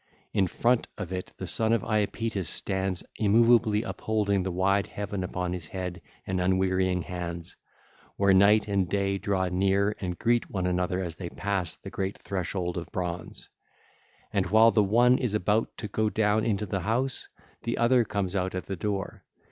In front of it the son of Iapetus 1622 stands immovably upholding the wide heaven upon his head and unwearying hands, where Night and Day draw near and greet one another as they pass the great threshold of bronze: and while the one is about to go down into the house, the other comes out at the door.